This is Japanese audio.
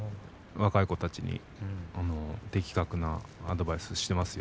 若い子たちに的確なアドバイスをしていますよ。